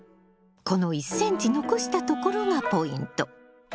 この１ｃｍ残したところがポイント。